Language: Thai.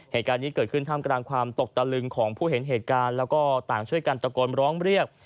เหตุการณ์นี้เกิดขึ้นท่ามกลางความตกตะลึงของผู้เห็นเหตุการณ์แล้วก็ต่างช่วยกันตะโกนร้องเรียก